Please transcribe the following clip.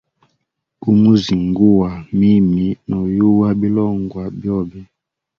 Gumu zinguwa, mimi noyuwa bilongwa byobe.